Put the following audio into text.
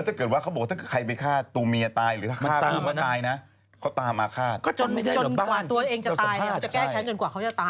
จนกว่าตัวเองจะตายจะแก้แค้นจนกว่าเขาจะตายเลย